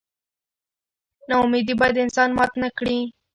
نا امیدي باید انسان مات نه کړي.